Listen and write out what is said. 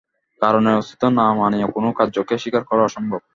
কারণের অস্তিত্ব না মানিয়া কোন কার্যকে স্বীকার করা অসম্ভব।